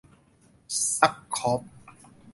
ซัคคอฟ